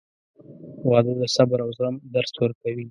• واده د صبر او زغم درس ورکوي.